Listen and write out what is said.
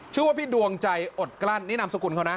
ชื่อว่าพี่ดวงใจอดกลั้นนี่นามสกุลเขานะ